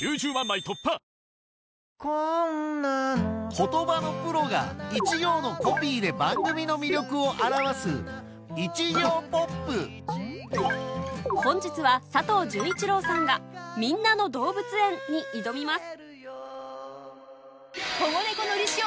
言葉のプロが一行のコピーで番組の魅力を表す本日は佐藤潤一郎さんが『みんなの動物園』に挑みます